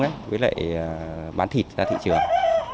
thì chúng tôi đong gói để ra thị trường